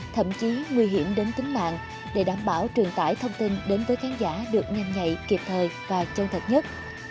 thậm chí nguy hiểm đến tính mạng để đảm bảo truyền tải thông tin đến với khán giả được nhanh nhạy kịp thời và chân thật nhất